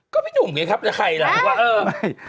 ก็พี่หนุ่มไงครับใครละว่าเออ